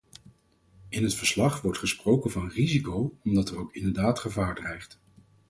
In het verslag wordt gesproken van risico omdat er ook inderdaad gevaar dreigt.